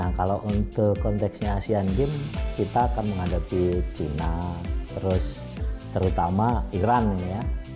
nah kalau untuk konteksnya asean games kita akan menghadapi china terus terutama iran ya